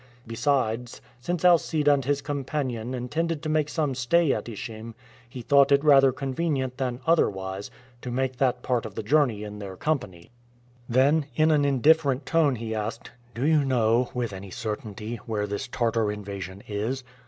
Besides, since Alcide and his companion intended to make some stay at Ishim, he thought it rather convenient than otherwise to make that part of the journey in their company. Then in an indifferent tone he asked, "Do you know, with any certainty, where this Tartar invasion is?"